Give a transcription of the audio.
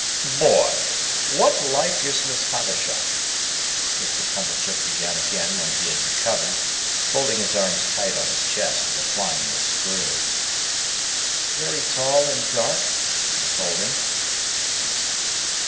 "Boy! What like is Miss Havisham?" Mr. Pumblechook began again when he had recovered; folding his arms tight on his chest and applying the screw. "Very tall and dark," I told him.